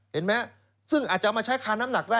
เห็นไหมซึ่งอาจจะมาใช้คาน้ำหนักได้